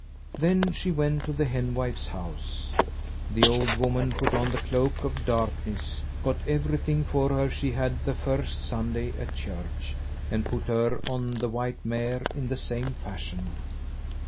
Then she went to the henwife's house. The old woman put on the cloak of darkness, got everything for her she had the first Sunday at church, and put her on the white mare in the same fashion.